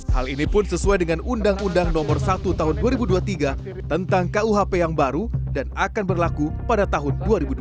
hal ini pun sesuai dengan undang undang nomor satu tahun dua ribu dua puluh tiga tentang kuhp yang baru dan akan berlaku pada tahun dua ribu dua puluh